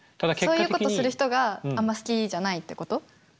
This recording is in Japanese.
そういうことをする人があまり好きじゃないってこと？